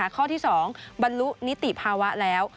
ข้อที่๒บรรลุนิติภาวะแล้ว